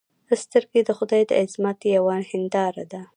سترګې د خدای د عظمت یوه هنداره ده